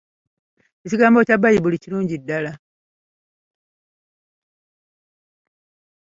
Ekigambo kya Baibuli kirungi ddala.